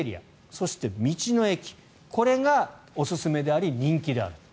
そして、道の駅がおすすめであり人気であると。